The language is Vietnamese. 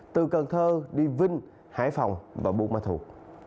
từ cần thơ đi vinh hải phòng và bùn ma thuộc